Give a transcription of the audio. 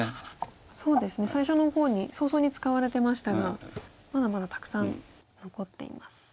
そうですね最初の方に早々に使われてましたがまだまだたくさん残っています。